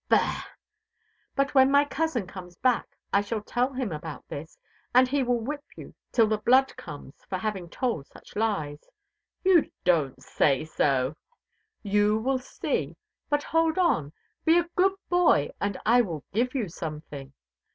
"Bah!" "But when my cousin comes back I shall tell him about this, and he will whip you till the blood comes for having told such lies." "You don't say so!" "You will see. But hold on! be a good boy and I will give you something."